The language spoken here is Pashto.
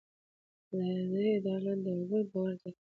اداري عدالت د وګړو باور زیاتوي.